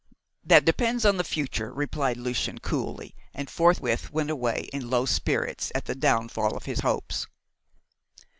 "That depends upon the future," replied Lucian coolly, and forthwith went away in low spirits at the downfall of his hopes.